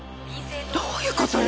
どういうことよ！